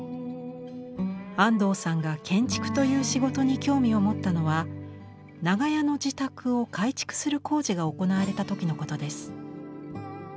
安藤さんが建築という仕事に興味を持ったのは長屋の自宅を改築する工事が行われた時のことです。